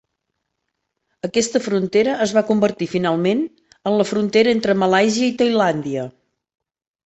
Aquesta frontera es va convertir finalment en la frontera entre Malàisia i Tailàndia.